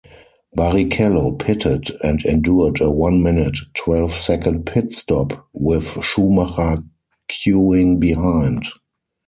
Barrichello pitted and endured a one-minute twelve second pit-stop, with Schumacher queueing behind.